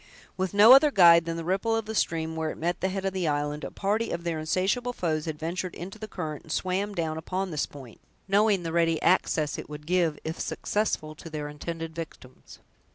With no other guide than the ripple of the stream where it met the head of the island, a party of their insatiable foes had ventured into the current, and swam down upon this point, knowing the ready access it would give, if successful, to their intended victims.